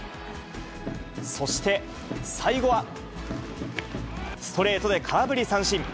そして最後は、ストレートで空振り三振。